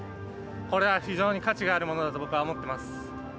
これは非常に価値があるものだと僕は思っています。